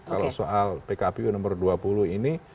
kalau soal pkpu nomor dua puluh ini